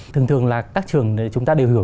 thường thường là các trường chúng ta đều hiểu